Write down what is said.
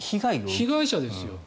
被害者ですよ。